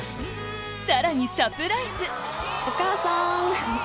さらにサプライズ！